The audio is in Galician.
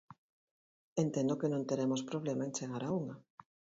Entendo que non teremos problema en chegar a unha.